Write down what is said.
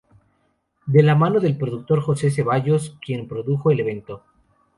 De la mano del productor Jose Ceballos quien produjo el evento.